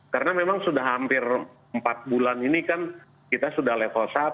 karena memang sudah hampir empat bulan ini kan kita sudah level satu